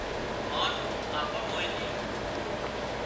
هانَ آپان مانيئن ٿي